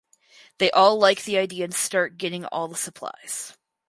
They all like the idea and start getting all the supplies.